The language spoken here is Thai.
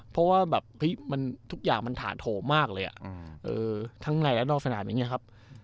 เพราะว่าแบบทุกอย่างมันถาโถมากเลยอ่ะ